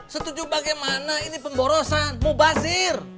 setuju bagaimana ini pemborosan mubazir